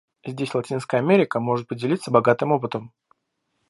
Здесь Латинская Америка может поделиться богатым опытом.